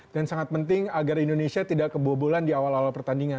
dan sangat penting agar indonesia tidak kebobolan di awal awal pertandingan